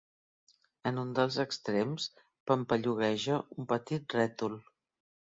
En un dels extrems pampallugueja un petit rètol.